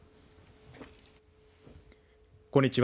こんにちは。